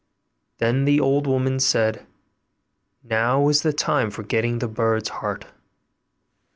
Then the old woman said, 'Now is the time for getting the bird's heart.